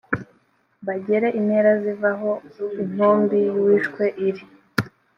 bagere intera ziva aho intumbi y’uwishwe iri